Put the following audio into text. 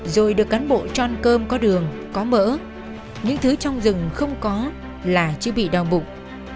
rồi được cán bộ tròn cơm có đường có mỡ những thứ trong rừng không có là chứ bị đau bụng